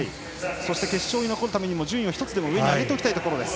決勝に残るためにも順位を１つでも上に上げておきたいところです。